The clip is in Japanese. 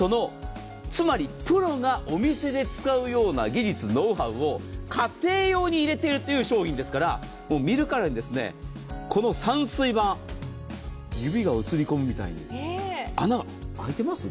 つまり、プロがお店で使うような技術、ノウハウを家庭用に入れてるという商品ですから、見るからに、この散水板、指が映り込むみたい、穴、開いてます？